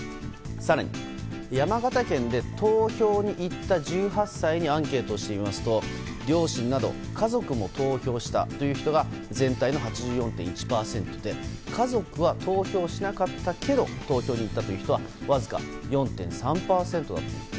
更に、山形県で投票に行った１８歳にアンケートをしてみますと両親など家族も投票したという人が全体の８４．１％で家族は投票しなかったけど投票に行ったという人はわずか４．３％だったんです。